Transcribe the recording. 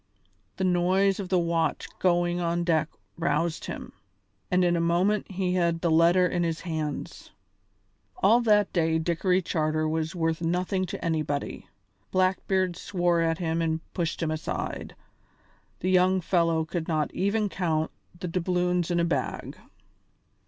The noise of the watch going on deck roused him, and in a moment he had the letter in his hands. All that day Dickory Charter was worth nothing to anybody. Blackbeard swore at him and pushed him aside. The young fellow could not even count the doubloons in a bag.